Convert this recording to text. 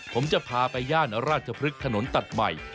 ผมจะพาไปย่านราชพฤกษ์ถนนตัดใหม่